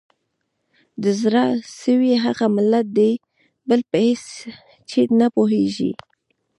د زړه سوي هغه ملت دی بل په هیڅ چي نه پوهیږي